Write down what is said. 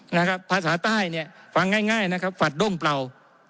นะครับภาษาใต้เนี่ยฟังง่ายง่ายนะครับฝัดด้มเปล่า